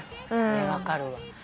分かるわ。